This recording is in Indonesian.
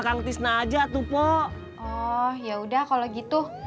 kang tisna aja tuh poh oh ya udah kalau gitu